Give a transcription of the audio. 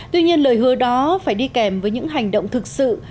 tuy nhiên lời hứa đó phải đi kèm với những hành động thực sự